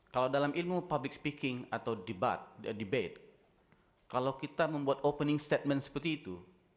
kalau dalam ilmu public speaking atau debate kalau kita membuat opening statement seperti itu